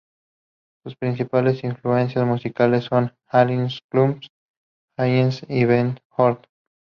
Sus principales influencias musicales son Alison Krauss, Jewel y Beth Orton.